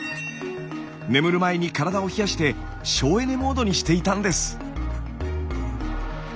眠る前に体を冷やして省エネモードにしていたんです。